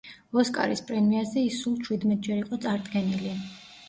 ოსკარის პრემიაზე ის სულ ჩვიდმეტჯერ იყო წარდგენილი.